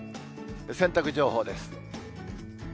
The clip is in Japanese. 洗濯情報です。